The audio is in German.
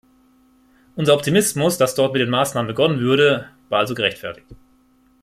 Unser Optimismus, dass dort mit den Maßnahmen begonnen würde, war also gerechtfertigt.